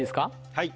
はい。